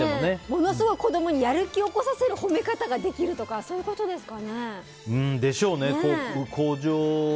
ものすごい子供にやる気を起こさせる褒め方ができるとかそうでしょうね。